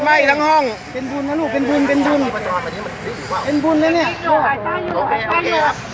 ไอหนูชอบพ้นเนี่ย